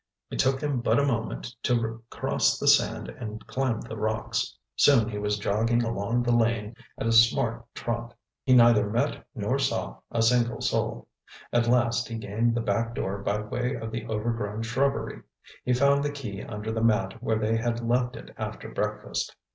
It took him but a moment to cross the sand and climb the rocks. Soon he was jogging along the lane at a smart trot. He neither met nor saw a single soul. At last he gained the back door by way of the overgrown shrubbery. He found the key under the mat where they had left it after breakfast.